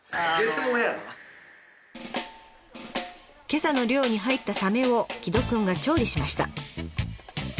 けさの漁に入ったサメを城戸くんが調理しました。